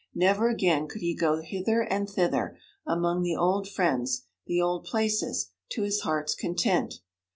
Never again could he go hither and thither, among the old friends, the old places, to his heart's content.